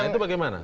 nah itu bagaimana